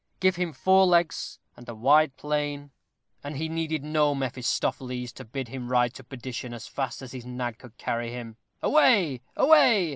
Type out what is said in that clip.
Give him four legs and a wide plain, and he needed no Mephistopheles to bid him ride to perdition as fast as his nag could carry him. Away, away!